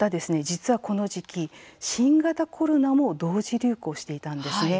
実はこの時期、新型コロナも同時流行していたんですね。